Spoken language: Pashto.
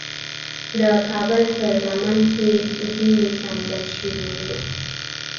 د کابل پر لمن کې وینې کنګل شوې وې.